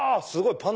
すごい！